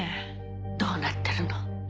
どうなってるの？